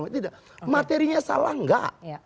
tidak materinya salah gak